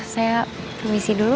om saya permisi dulu